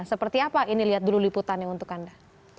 seperti apa ini lihat dulu liputannya untuk anda